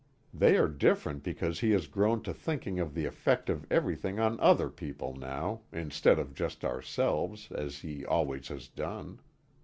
They are different because he has grown to thinking of the effect of everything on other people now, instead of just ourselves, as he always has done.